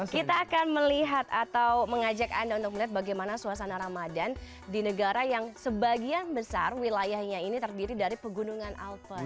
kita akan melihat atau mengajak anda untuk melihat bagaimana suasana ramadan di negara yang sebagian besar wilayahnya ini terdiri dari pegunungan alpha